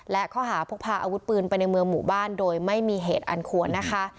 และข้อหาพกพาอาวุธปืนไปในเมืองหมู่บ้านโดยไม่มีเหตุอันควรนะคะ